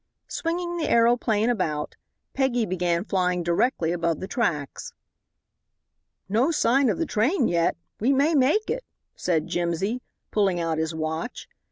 Swinging the aeroplane about, Peggy began flying directly above the tracks. "No sign of the train yet we may make it," said Jimsy, pulling out his watch.